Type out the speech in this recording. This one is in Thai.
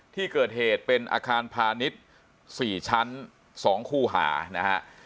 ที่เกิดเหตุเป็นอาคารพาณิชย์๔ชั้น๒คู่หานะฮะ